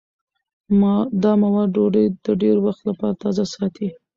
دا مواد ډوډۍ د ډېر وخت لپاره تازه ساتي.